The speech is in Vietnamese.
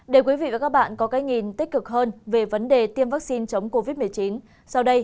để quý vị và các bạn có cái nhìn tích cực hơn về vấn đề tiêm vaccine chống covid một mươi chín sau đây